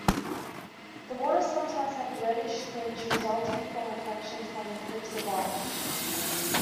The water sometimes has a reddish tinge resulting from reflections from the cliffs above.